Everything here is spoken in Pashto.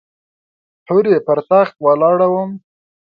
هورې پر تخت ولاړه وم .